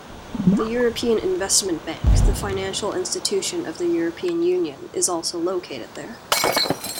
The European Investment Bank-the financial institution of the European Union-is also located there.